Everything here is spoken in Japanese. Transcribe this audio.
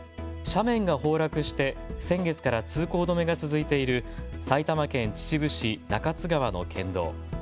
斜面が崩落して先月から通行止めが続いている埼玉県秩父市中津川の県道。